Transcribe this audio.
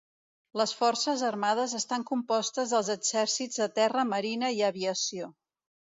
Les forces armades estan compostes dels exèrcits de terra, marina i aviació.